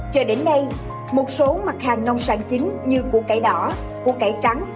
cho đến nay một số mặt hàng nông sản chính như củ cải đỏ củ cải trắng